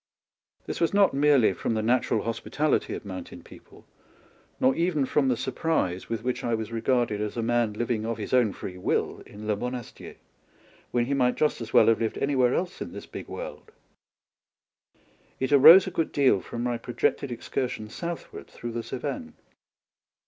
This was not merely from the natural hospitality of mountain people, nor even from the surprise with which I was regarded as a man living of his own free will in Le Monasticr, when he might just as well have lived anywhere else in this big world ; it arose a good deal from my projected excursion southward through the Cevennes.